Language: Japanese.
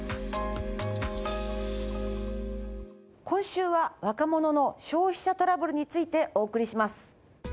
今週は若者の消費者トラブルについてお送りします。